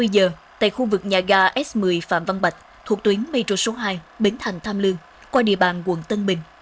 hai mươi giờ tại khu vực nhà ga s một mươi phạm văn bạch thuộc tuyến metro số hai bến thành tham lương qua địa bàn quận tân bình